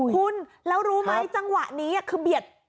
คุณแล้วรู้ไหมจังหวะนี้คือเบียด